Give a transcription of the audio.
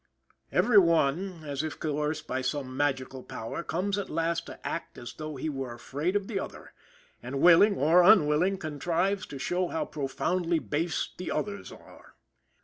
Every one, as if coerced by some magic power, comes at last to act as though he were afraid of the other, and, willing or unwilling, contrives to show how profoundly base the others are.